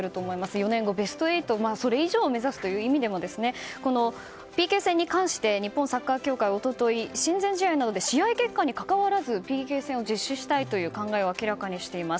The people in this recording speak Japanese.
４年後ベスト８それ以上を目指すという意味でもＰＫ戦に関して日本サッカー協会は一昨日親善試合などで試合結果にかかわらずＰＫ戦を実施したいという考えを明らかにしています。